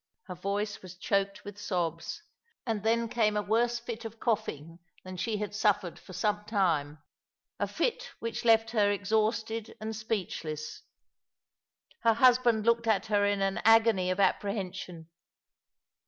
Her voice was choked with sobs, and then came a worse fit of coughing than she had suffered for some time; a fit which left her exhausted and speechless. Her husband looked at her in an agony of apprehension.